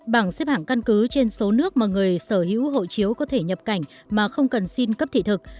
bảng xếp hẳng căn cứ trên số nước mà người sở hữu hộ chiếu có thể nhập cảnh mà không cần xin cấp thị thực